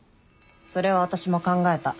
それは私も考えた。